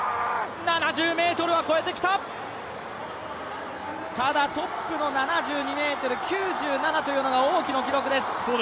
７０ｍは超えてきた、ただ、トップの７２ｍ９７というのが王キの記録です。